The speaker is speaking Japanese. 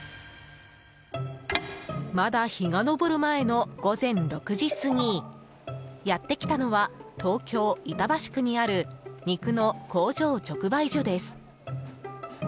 まだ日が昇る前の午前６時過ぎやって来たのは東京・板橋区にある肉の工場直売所です。